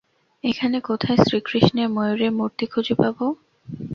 এখানে কোথায় শ্রীকৃষ্ণের ময়ুরের মূর্তি খুঁজে পাবো?